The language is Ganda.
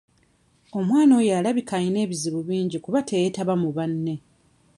Omwana oyo alabika alina ebizibu bingi kuba teyeetaba mu banne.